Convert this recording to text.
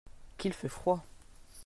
Qu'il fait froid !